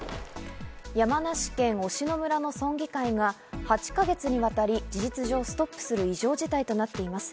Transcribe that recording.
山梨県忍野村の村議会が８か月にわたり事実上ストップする異常事態となっています。